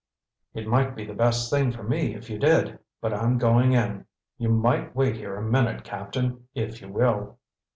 "It might be the best thing for me if you did, but I'm going in. You might wait here a minute. Captain, if you will."